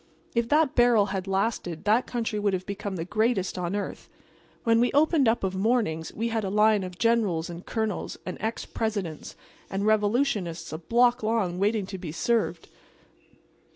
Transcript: If that barrel had lasted that country would have become the greatest on earth. When we opened up of mornings we had a line of Generals and Colonels and ex Presidents and revolutionists a block long waiting to be served.